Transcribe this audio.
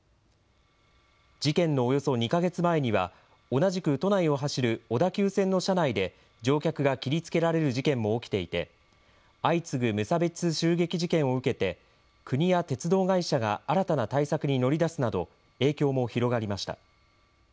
事件のおよそ２か月前には、同じく都内を走る小田急線の車内で、乗客が切りつけられる事件も起きていて、相次ぐ無差別襲撃事件を受けて、国や鉄道会社が新たな対策に乗り出すなど、影響も広がりました。